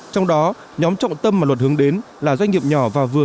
trong đó nhóm trọng tâm mà luật hướng đến là doanh nghiệp nhỏ và vừa